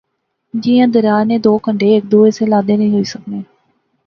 جیاں دریا نے دو کنڈے ہیک دوے سے لادے نئیں ہوئی سکنے